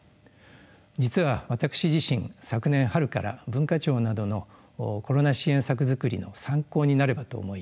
実は私自身昨年春から文化庁などのコロナ支援策作りの参考になればと思い